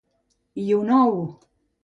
I un ou!